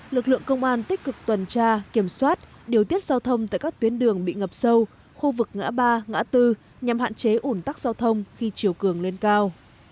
lực lượng công an tích cực tuần tra kiểm soát điều tiết giao thông tại các tuyến đường bị ngập sâu khu vực ngã ba ngã tư nhằm hạn chế ủn tắc giao thông khi chiều cường lên cao